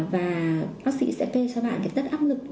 và bác sĩ sẽ kê cho bạn tất áp lực để bạn đi hàng ngày